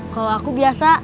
kalau aku biasa